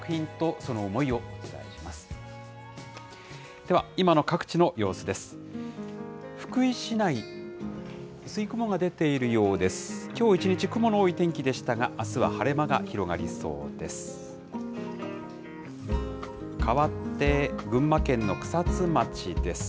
きょう一日、雲の多い天気でしたが、あすは晴れ間が広がりそうです。